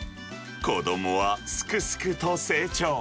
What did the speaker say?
子どもはすくすくと成長。